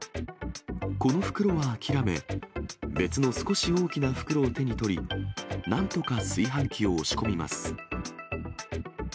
この袋は諦め、別の少し大きな袋を手に取り、なんとか炊飯器を押し込みます。